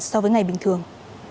so với ngày bình thường